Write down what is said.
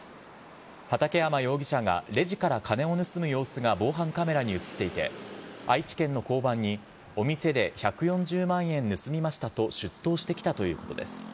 畠山容疑者がレジから金を盗む様子が、防犯カメラに写っていて、愛知県の交番に、お店で１４０万円盗みましたと、出頭してきたということです。